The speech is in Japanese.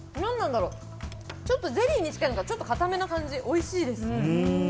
ちょっとゼリーに近いのか硬めな感じ、おいしいです。